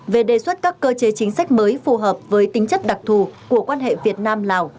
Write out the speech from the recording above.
về đề xuất các cơ chế chính sách mới phù hợp với tính chất đặc thù của quan hệ việt nam lào